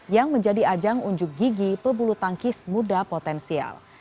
yang menjadi ajang unjuk gigi pebulu tangkis muda potensial